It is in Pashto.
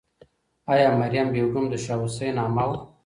آیا مریم بیګم د شاه حسین عمه وه؟